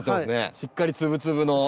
しっかり粒々の土。